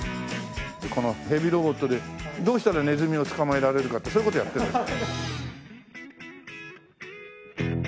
このヘビロボットでどうしたらネズミを捕まえられるかってそういう事やってるんですか？